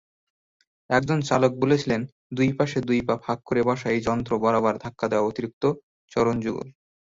একজন চালক বলেছিল দুই পাশে দুই পা ফাঁক করে বসা এই যন্ত্র বারবার ধাক্কা দেওয়া অতিরিক্ত চরণযুঘল।